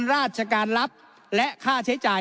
ราชการรับและค่าใช้จ่าย